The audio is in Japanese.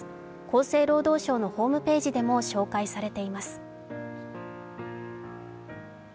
厚生労働省のホームページでも紹介されています。